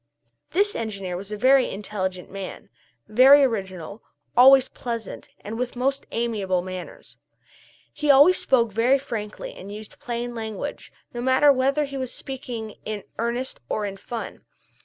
This engineer was a very intelligent young man, very original, always pleasant, and with most amiable manners. He always spoke very frankly and used plain language, no matter whether he was speaking in earnest or in fun.